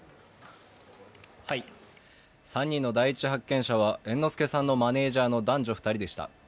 ３人の第１発見者は猿之助さんのマネージャーの男女２人でした。